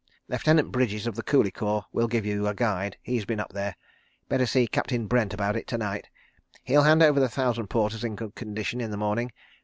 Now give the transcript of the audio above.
Lieutenant Bridges, of the Coolie Corps, will give you a guide. He's been up there. ... Better see Captain Brent about it to night. He'll hand over the thousand porters in good condition in the morning.